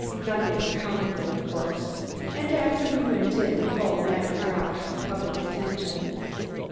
Nothing had come of it, of course, and after we went in, the whole matter dropped from public attention.